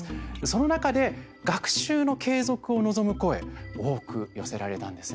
その中で、学習の継続を望む声多く寄せられたんですね。